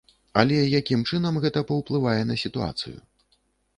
Але якім чынам гэта паўплывае на сітуацыю?